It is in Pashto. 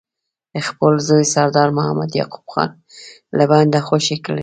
خپل زوی سردار محمد یعقوب خان له بنده خوشي کړي.